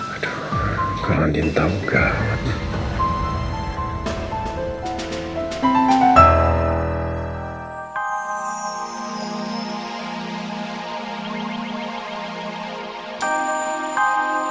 aduh kalau nanti entah buka